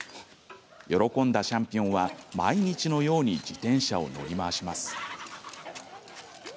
喜んだシャンピオンは毎日のように自転車を乗り回します。